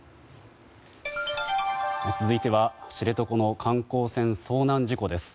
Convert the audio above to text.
続いては知床の観光船遭難事故です。